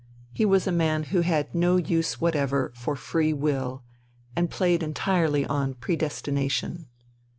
He was a man who had no use whatever for " free will " and played entirely on " predestination.'